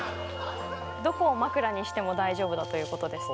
どこを枕にしても大丈夫だということです。